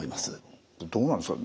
どうなんですか。